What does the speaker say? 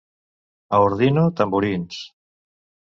A Ordino, tamborins.